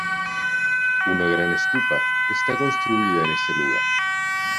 Una gran estupa está construida en ese lugar.